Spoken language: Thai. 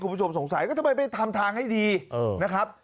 คุณผู้ชมสงสัยก็ทำไมไปทำทางให้ดีนะครับ